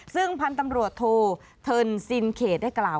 ซึ่งพันธุ์ตำรวจโทเทินซินเขตได้กล่าว